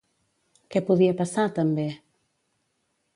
Què podia passar, també?